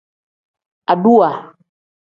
Aduwa.